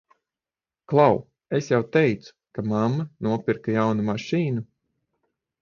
Klau, es jau teicu, ka mamma nopirka jaunu mašīnu?